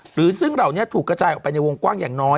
หรือซึ่งเหล่านี้ถูกกระจายออกไปในวงกว้างอย่างน้อย